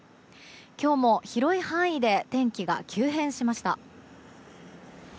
今日も広い範囲で天気が急変しました。